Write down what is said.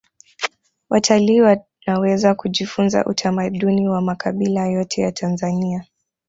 watalii wanaweza kujifunza utamaduni wa makabila yote ya tanzania